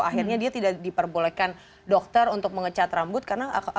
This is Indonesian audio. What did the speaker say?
akhirnya dia tidak diperbolehkan dokter untuk mengecat rambut karena